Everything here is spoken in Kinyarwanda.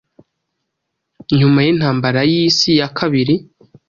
Nyuma y'intambara y'isi ya kabiri